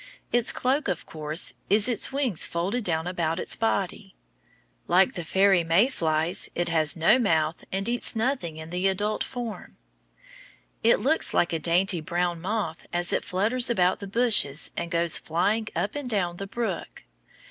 Its cloak, of course, is its wings folded down about its body. Like the fairy May flies it has no mouth and eats nothing in the adult form. It looks like a dainty brown moth as it flutters about the bushes and goes flying up and down the brook.